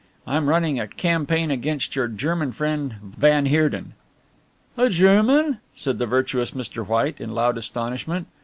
I'm running a campaign against your German friend van Heerden." "A German?" said the virtuous Mr. White in loud astonishment.